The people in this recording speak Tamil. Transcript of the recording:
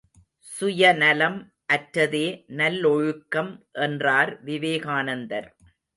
சுயநலம் அற்றதே நல்லொழுக்கம்! என்றார் விவேகானந்தர்.